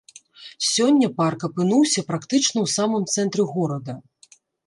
Сёння парк апынуўся практычна ў самым цэнтры горада.